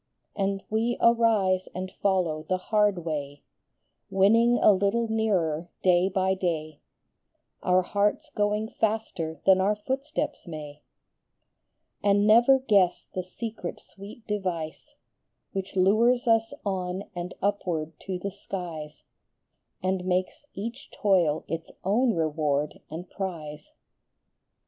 " And we arise and follow the hard way, Winning a little nearer day by day, Our hearts going faster than our footsteps may ; And never guess the secret sweet device Which lures us on and upward to the skies, And makes each toil its own reward and prize.